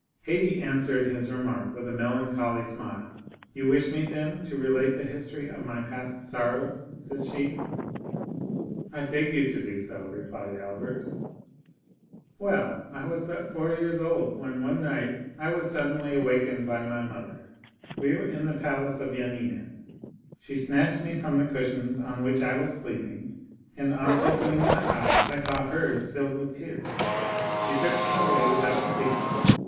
Haydée answered his remark with a melancholy smile. "You wish me, then, to relate the history of my past sorrows?" said she. "I beg you to do so," replied Albert. "Well, I was but four years old when one night I was suddenly awakened by my mother. We were in the palace of Yanina; she snatched me from the cushions on which I was sleeping, and on opening my eyes I saw hers filled with tears. She took me away without speaking.